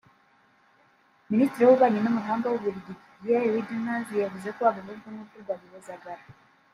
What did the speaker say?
Minisitiri w’Ububanyi n’amahanga w’u Bubiligi Didier Reynders yavuze ko ababajwe n’urupfu rwa Bihozagara